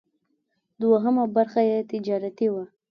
دوهمه برخه یې تجارتي وه.